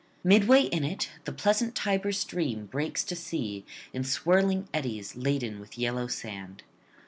Midway in it the pleasant Tiber stream breaks to sea in swirling eddies, laden with yellow sand.